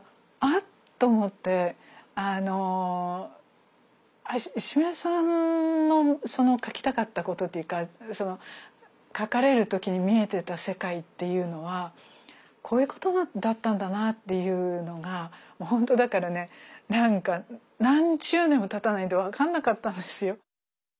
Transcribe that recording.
っと思って石牟礼さんのその書きたかったことっていうか書かれる時に見えてた世界っていうのはこういうことだったんだなっていうのがほんとだからねなんか何十年もたたないと分かんなかったんですよ。